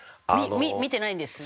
見てないんです。